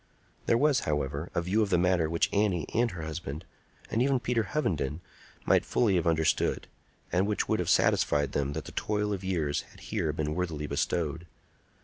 There was, however, a view of the matter which Annie and her husband, and even Peter Hovenden, might fully have understood, and which would have satisfied them that the toil of years had here been worthily bestowed.